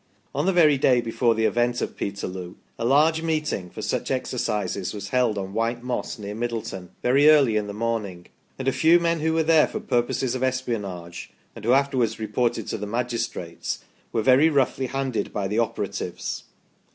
On the very day before the event of Peterloo a large meeting for such exercises was held on White Moss, near Middleton, very early in the morning, and a few men who were there for purposes of espionage, and who afterwards reported to the magistrates, were very roughly handled by the operatives.